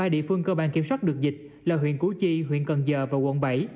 ba địa phương cơ bản kiểm soát được dịch là huyện củ chi huyện cần giờ và quận bảy